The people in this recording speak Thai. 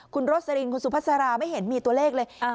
คุณโรสลินคุณสุภาษาราไม่เห็นมีตัวเลขเลย